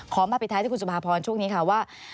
มาปิดท้ายที่คุณสุภาพรช่วงนี้ค่ะว่า